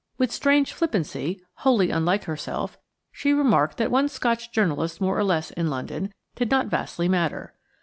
With strange flippancy–wholly unlike herself–she remarked that one Scotch journalist more or less in London did not vastly matter.